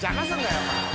お前。